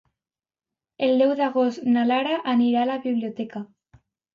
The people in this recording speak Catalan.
El deu d'agost na Lara anirà a la biblioteca.